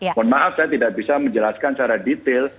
mohon maaf saya tidak bisa menjelaskan secara detail